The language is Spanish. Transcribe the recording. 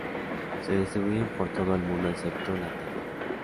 Se distribuyen por todo el mundo excepto la Antártida.